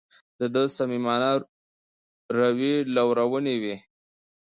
د ده د صمیمانه رویې لورونې وې.